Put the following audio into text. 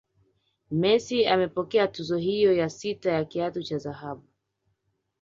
Messi amepokea tuzo hiyo ya sita ya kiatu cha dhahabu